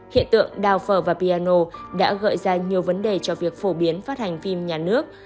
hiện tượng đào phở và piano đã gợi ra nhiều vấn đề cho việc phổ biến phát hành phim nhà nước